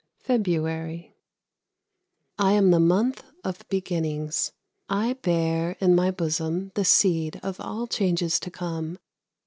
FEBRUARY. I am the month of beginnings. I bear In my bosom the seed of all changes to come.